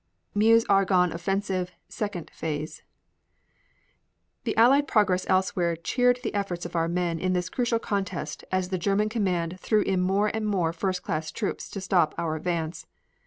MEUSE ARGONNE OFFENSIVE, SECOND PHASE The Allied progress elsewhere cheered the efforts of our men in this crucial contest as the German command threw in more and more first class troops to stop our advance.